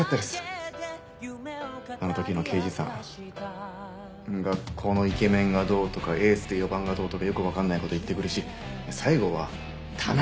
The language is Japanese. あの時の刑事さん学校のイケメンがどうとかエースで４番がどうとかよくわかんない事言ってくるし最後は「田中田中田中！」